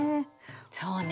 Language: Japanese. そうね。